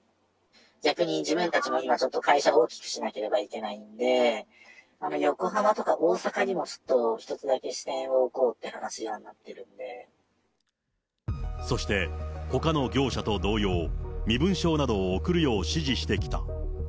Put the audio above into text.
逆に自分たちも今、ちょっと会社を大きくしなければいけないんで、横浜とか大阪にもちょっと１つだけ支店を置こうという話にはなっそして、ほかの業者と同様、身分証などを送るよう指示してきた。